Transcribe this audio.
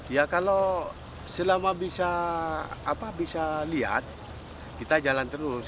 ya kalau selama bisa lihat kita jalan terus